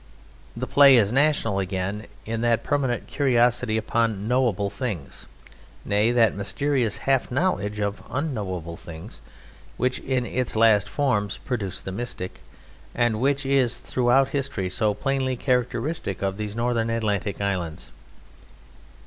The play is national, again, in that permanent curiosity upon knowable things nay, that mysterious half knowledge of unknowable things which, in its last forms, produced the mystic, and which is throughout history so plainly characteristic of these Northern Atlantic islands.